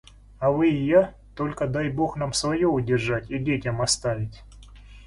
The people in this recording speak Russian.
А вы и я — только дай Бог нам свое удержать и детям оставить.